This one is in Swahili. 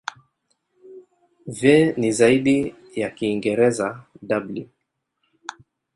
V ni zaidi ya Kiingereza "w".